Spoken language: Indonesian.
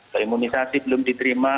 keimunisasi belum diterima